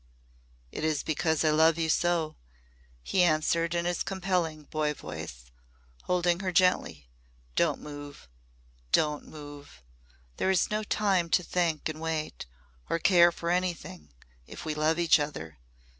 "It is because I love you so," he answered in his compelling boy voice, holding her gently. "Don't move don't move! There is no time to think and wait or care for anything if we love each other.